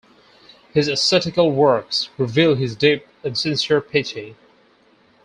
His ascetical works reveal his deep and sincere piety.